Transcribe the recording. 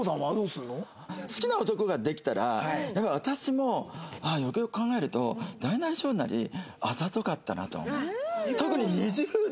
好きな男ができたら私もよくよく考えると大なり小なりあざとかったなとは思う。